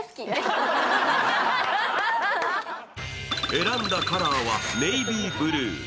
選んだカラーはネイビーブルー。